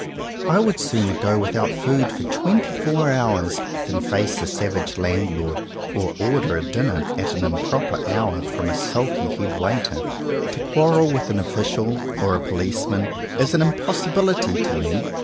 I would sooner go without food for twenty four hours than face a savage landlord, or order a dinner at an improper hour from a sulky head waiter. To quarrel with an official or a policeman is an impossibility to me.